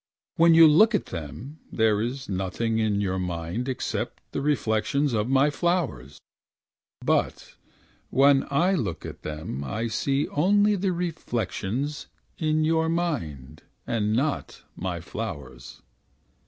When you look at them. There is nothing in your mind Except the reflections Of my flowers . But when I look at them I see only the reflections In your mind. And not my flowers.